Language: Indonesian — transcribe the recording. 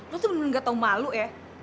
lo tuh bener bener gak tau malu ya